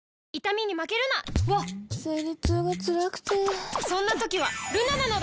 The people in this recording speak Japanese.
わっ生理痛がつらくてそんな時はルナなのだ！